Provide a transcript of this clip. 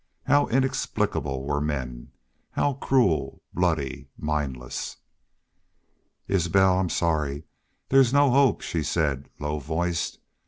How inexplicable were men! How cruel, bloody, mindless! "Isbel, I'm sorry there's no hope," she said, low voiced.